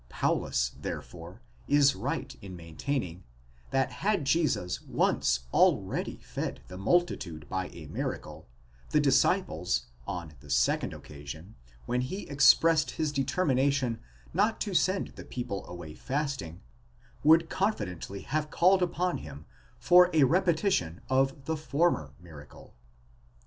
Paulus therefore is right in maintaining, that had Jesus once already fed the multitude by a miracle, the disciples, on the second occasion, when he ex pressed his determination not to send the people away fasting, would confi dently have called upon him for a repetition of the former miracle.